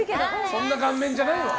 そんな顔面じゃないわ。